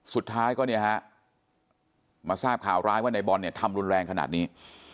สุดท้ายก็เนี่ยฮะมาทราบข่าวร้ายว่าในบอลเนี่ยทำรุนแรงขนาดนี้